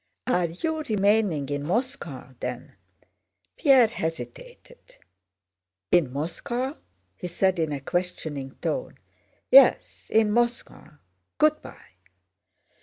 "Are you remaining in Moscow, then?" Pierre hesitated. "In Moscow?" he said in a questioning tone. "Yes, in Moscow. Good by!"